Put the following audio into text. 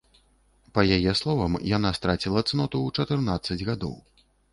Па яе словам яна страціла цноту ў чатырнаццаць гадоў.